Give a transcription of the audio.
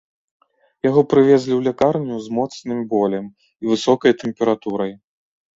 Яго прывезлі ў лякарню з моцным болем і высокай тэмпературай.